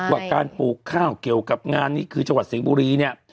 ว่าการปลูกข้าวเกี่ยวกับงานนี้คือจังหวัดสิงห์บุรีเนี่ย